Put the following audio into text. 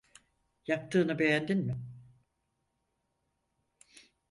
Yaptığını beğendin mi?